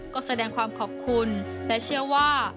ก็แสดงความขอบคุณและเชื่อว่า